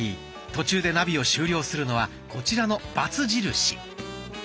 途中でナビを終了するのはこちらのバツ印。